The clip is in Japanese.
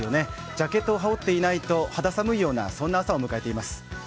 ジャケットを羽織っていないと肌寒いような朝を迎えています。